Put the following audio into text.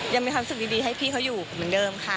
ยังมีความสุขดีให้พี่เขาอยู่เหมือนเดิมค่ะ